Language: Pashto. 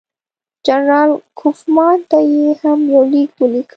جنرال کوفمان ته یې هم یو لیک ولیکه.